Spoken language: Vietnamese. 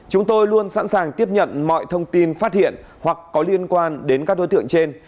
chúng tôi luôn sẵn sàng tiếp nhận mọi thông tin phát hiện hoặc có liên quan đến các đối tượng trên